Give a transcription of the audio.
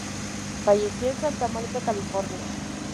Falleció en Santa Monica, California.